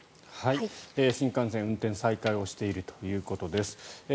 新幹線、運転再開しているということです。